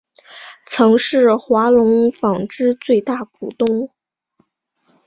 曾是华隆纺织最大股东。